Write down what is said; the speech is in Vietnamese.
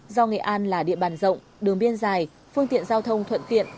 do nghệ an là địa bàn rộng đường biên dài phương tiện giao thông thuận tiện